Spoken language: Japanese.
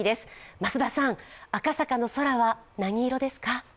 増田さん、赤坂の空は何色ですか？